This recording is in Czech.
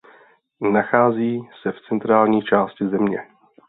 Nachází se v centrální části země.